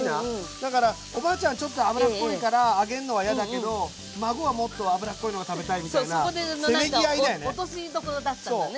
だからおばあちゃんはちょっと油っぽいから揚げんのは嫌だけど孫はもっと油っこいのが食べたいみたいなせめぎ合いだよね。